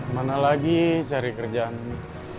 mana lagi seri kerjaan ini